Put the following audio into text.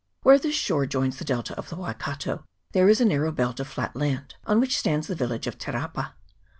Where this shore joins the delta of the Waikato there is a narrow belt of flat land, on which stands the village of Te rapa.